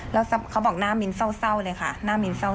แล้วเขาบอกหน้ามินเศร้าเลยค่ะหน้ามินเศร้า